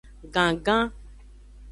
Gangan.